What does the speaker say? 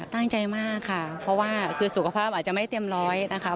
ตั้งใจมากค่ะเพราะว่าคือสุขภาพอาจจะไม่เต็มร้อยนะคะ